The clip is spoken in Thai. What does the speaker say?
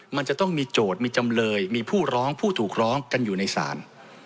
มันจะต้องมีโจทย์มีจำเลยมีผู้ร้องผู้ถูกร้องกันอยู่ในศาล